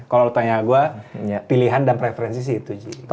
kalau tanya gue pilihan dan preferensi sih itu ji